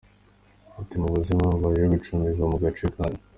Ati “Mubabaze impamvu baje gucumbika mu gace kanyu.